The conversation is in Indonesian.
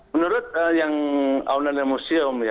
menurut yang aonanemuseum